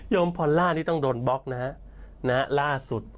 ยมพลล่านี่ต้องโดนปลอ้กนะฮะ